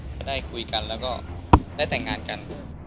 ก็ได้คุยกันแล้วก็ได้แต่งงานกัน